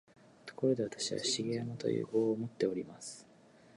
ところで、私は「重山」という号をもっております